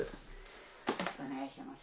よろしくお願いします。